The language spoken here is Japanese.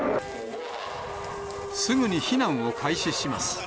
すぐに避難を開始します。